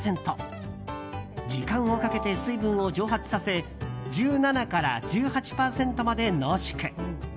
時間をかけて水分を蒸発させ１７から１８％まで濃縮。